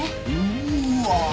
うわ！